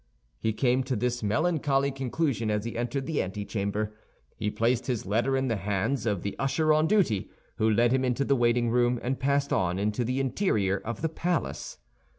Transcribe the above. He came to this melancholy conclusion as he entered the antechamber. He placed his letter in the hands of the usher on duty, who led him into the waiting room and passed on into the interior of the palace.